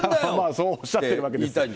そうおっしゃっているわけです。